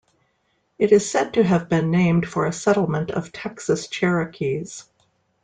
It is said to have been named for a settlement of Texas Cherokees.